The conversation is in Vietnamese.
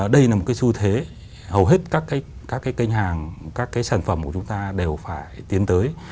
đây là một cái xu thế hầu hết các cái kênh hàng các cái sản phẩm của chúng ta đều phải tiến tới